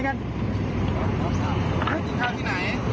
ทางที่ไหน